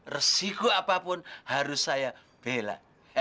resiko apapun harus saya bela